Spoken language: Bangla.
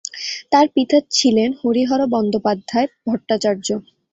তার পিতা ছিলেন হরিহর বন্দ্যোপাধ্যায় ভট্টাচার্য্য।